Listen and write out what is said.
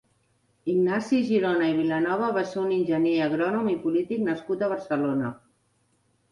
Ignasi Girona i Vilanova va ser un enginyer agrònom i polític nascut a Barcelona.